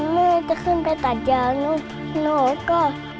แม่จะขึ้นไปตัดยางลูกหนูก็